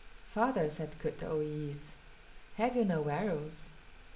"Father," said Kut o yis´, "have you no arrows?"